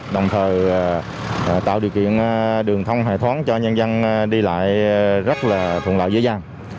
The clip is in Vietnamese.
đồng thời tạo điều kiện đường thông hề thoáng cho nhân dân đi lại rất là thuận lợi dễ dàng